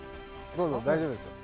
どうぞ大丈夫ですよ。